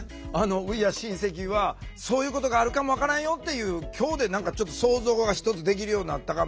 Ｗｅａｒｅシンセキ！はそういうことがあるかも分からんよっていう今日で何かちょっと想像がひとつできるようになったかもしれませんね。